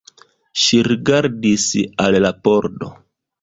Ŝi rigardis al la pordo.